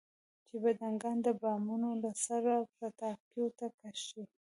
چې بډنکان د بامونو له سره پټاکیو ته کش شي.